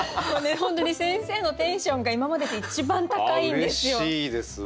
本当に先生のテンションが今までで一番高いんですよ。